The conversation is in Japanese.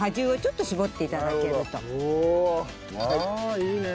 いいね。